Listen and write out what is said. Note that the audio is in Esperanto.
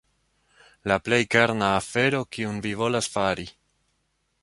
La plej kerna afero kiun vi volas fari.